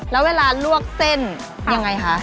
แล้วเวลาลวกเส้นยังไงคะ